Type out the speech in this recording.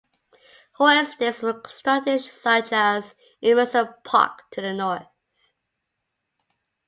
Whole estates were constructed such as Emerson Park to the north.